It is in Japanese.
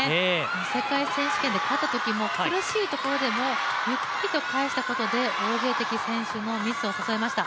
世界選手権で勝ったときも苦しいところでもゆっくりと返したことで、王ゲイ迪選手のミスを誘いました。